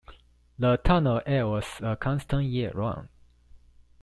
The tunnel air was a constant year round.